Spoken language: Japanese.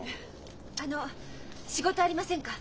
あの仕事ありませんか？